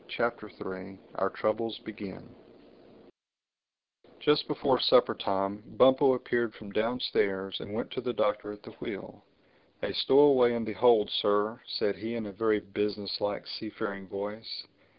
THE THIRD CHAPTER OUR TROUBLES BEGIN JUST before supper time Bumpo appeared from downstairs and went to the Doctor at the wheel. "A stowaway in the hold, Sir," said he in a very business like seafaring voice.